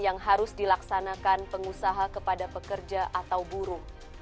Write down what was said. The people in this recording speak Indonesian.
yang harus dilaksanakan pengusaha kepada pekerja atau buruh